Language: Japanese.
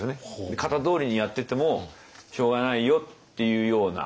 型どおりにやっててもしょうがないよっていうような。